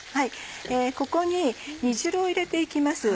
ここに煮汁を入れて行きます。